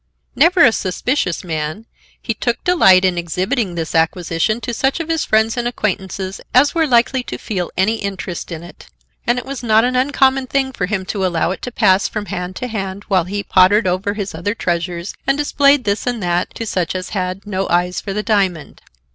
Never a suspicious man, he took delight in exhibiting this acquisition to such of his friends and acquaintances as were likely to feel any interest in it, and it was not an uncommon thing for him to allow it to pass from hand to hand while he pottered over his other treasures and displayed this and that to such as had no eyes for the diamond.